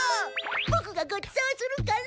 ボクがごちそうするから。